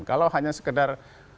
kalau hanya sekedar